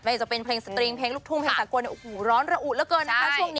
จะเป็นเพลงสตริงเพลงลูกทุ่งเพลงสากลเนี่ยโอ้โหร้อนระอุเหลือเกินนะคะช่วงนี้